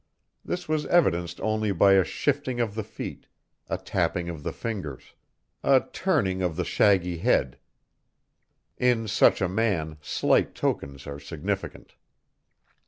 This was evidenced only by a shifting of the feet, a tapping of the fingers, a turning of the shaggy head in such a man slight tokens are significant.